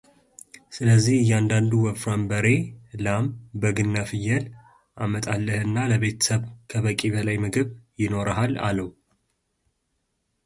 ስለዚህ እያንዳንዱን ወፍራም በሬ ላም በግና ፍየል አመጣልህና ለቤተሰብህ ከበቂ በላይ ምግብ ይኖርሃል አለው፡፡